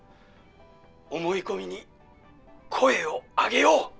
思い込みに声をあげよう！